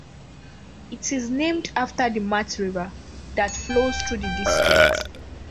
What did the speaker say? It is named after the Mat River, that flows through the district.